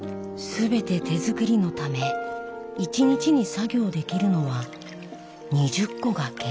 全て手作りのため１日に作業できるのは２０個が限界だ。